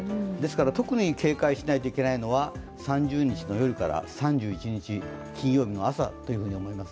特に警戒しないといけないのは３０日の夜から３１日金曜日の朝になります。